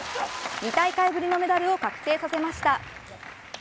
２大会ぶりのメダルを確定させました。